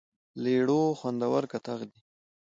لیړو خوندور کتغ دی.